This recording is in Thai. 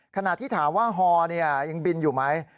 ขณะที่ถามว่าฮอยังบินอยู่ไหม